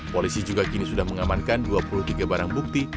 polisi juga kini sudah mengamankan dua puluh tiga barang bukti